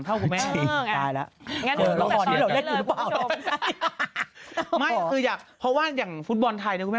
๒๓เถ้าไหมกันอะไรเพราะว่าอย่างฟุตต็อลไทยแล้วแม่